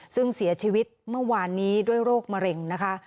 ซึ่งเสียชีวิตเมื่อวานนี้ด้วยโรคมะเร็งนะคะ